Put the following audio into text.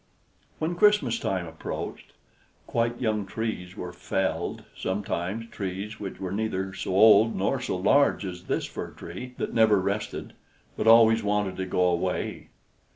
When Christmas time approached, quite young trees were felled, sometimes trees which were neither so old nor so large as this Fir Tree, that never rested, but always wanted to go away.